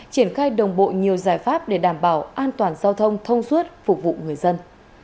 triển khai đồng bộ nhiều giải pháp để đảm bảo an toàn giao thông thông suốt phục vụ người dân